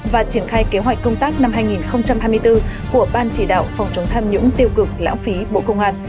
và triển khai kế hoạch công tác năm hai nghìn hai mươi bốn của ban chỉ đạo phòng chống tham nhũng tiêu cực lãng phí bộ công an